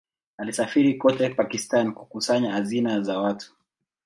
Alisafiri kote Pakistan kukusanya hazina za watu.